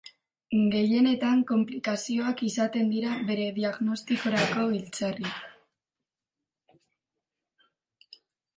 Gehienetan konplikazioak izaten dira bere diagnostikorako giltzarria.